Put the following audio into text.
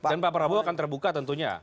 pak prabowo akan terbuka tentunya